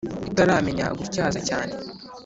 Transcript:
itaramenya gutyaza cyane